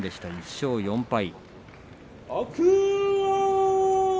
１勝４敗。